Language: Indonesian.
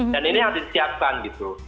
dan ini yang disiapkan gitu